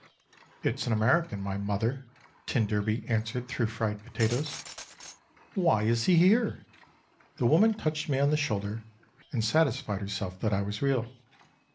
"It's an American, my mother," t d answered through fried potatoes. "Why is he here?" the woman touched me on the shoulder, and satisfied herself that I was real.